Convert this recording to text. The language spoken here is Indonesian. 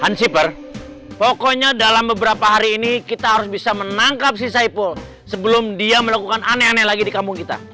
hanshipper pokoknya dalam beberapa hari ini kita harus bisa menangkap si saipul sebelum dia melakukan aneh aneh lagi di kampung kita